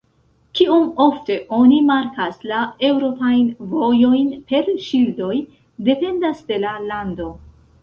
Kiom ofte oni markas la eŭropajn vojojn per ŝildoj, dependas de la lando.